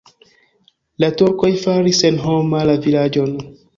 La turkoj faris senhoma la vilaĝon.